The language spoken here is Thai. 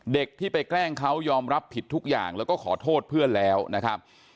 เด็กที่ไปแกล้งเขายอมรับผิดทุกอย่างแล้วก็ขอโทษเพื่อนแล้วนะครับ